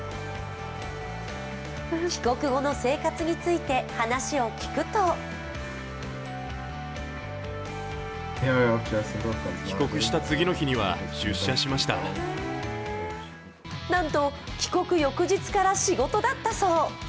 帰国後の生活について話を聞くとなんと帰国翌日から仕事だったそう。